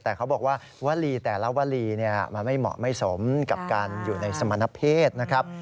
แต่เขาบอกว่าวลีแต่ละวลีมันไม่เหมาะไม่สมกับการอยู่ในสมณเพศนะครับ